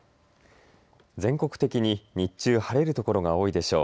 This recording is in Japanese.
全国的に日中晴れるところが多いでしょう。